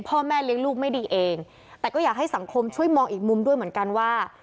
พ่อแม่เลี้ยงลูกไม่ดีเองแต่ก็อยากให้สังคมช่วยมองอีกมุมด้วยเหมือนกันว่า